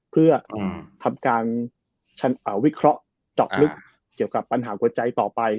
เพื่อทำการวิเคราะห์เจาะลึกเกี่ยวกับปัญหาหัวใจต่อไป